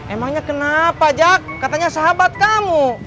emangnya kenapa jak katanya sahabat kamu